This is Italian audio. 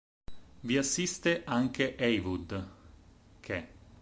Vi assiste anche Haywood, che.